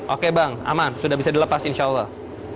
oke bang aman sudah bisa dilepas insya allah